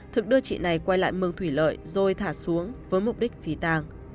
thực đưa chị này quay lại mương thủy lợi rồi thả xuống với mục đích phí tàng